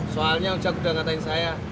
soalnya ojek udah katain saya